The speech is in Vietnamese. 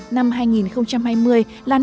năm hai nghìn hai mươi là năm